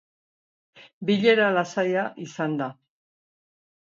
Bilera lasaia izan da.